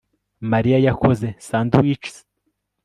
Mariya yakoze sandwiches